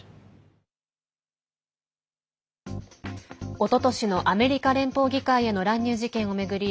おととしのアメリカ連邦議会への乱入事件を巡り